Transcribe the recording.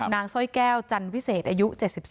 สร้อยแก้วจันวิเศษอายุ๗๒